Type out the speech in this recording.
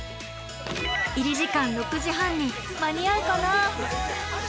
入り時間６時半に間に合うかな？